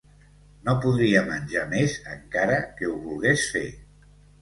No podria menjar més encara que ho volgués fer.